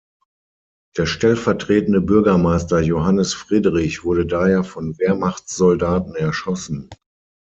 Der stellvertretende Bürgermeister Johannes Friedrich, wurde daher von Wehrmachtssoldaten erschossen.